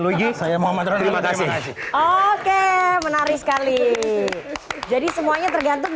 lagi saya mau maturnya terima kasih oke menarik sekali jadi semuanya tergantung